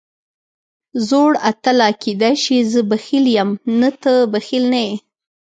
زوړ اتله، کېدای شي زه بخیل یم، نه ته بخیل نه یې.